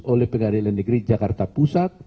oleh pengadilan negeri jakarta pusat